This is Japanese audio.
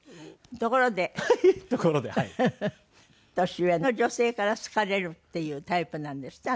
年上の女性から好かれるっていうタイプなんですって？